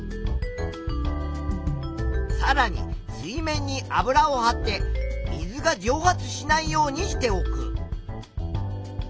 さらに水面に油をはって水がじょう発しないようにしておく。